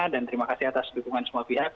dan terima kasih atas dukungan semua pihak